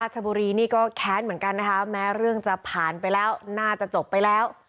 ชบุรีนี่ก็แค้นเหมือนกันนะคะแม้เรื่องจะผ่านไปแล้วน่าจะจบไปแล้ว